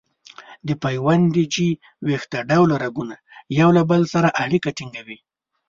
د پیوند د ځای ویښته ډوله رګونه یو له بل سره اړیکه ټینګوي.